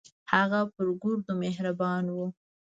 هغه پر ګردو مهربان و.